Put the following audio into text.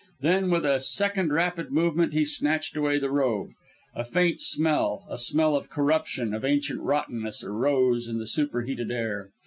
Then, with a second rapid movement, he snatched away the robe. A faint smell a smell of corruption, of ancient rottenness arose on the superheated air.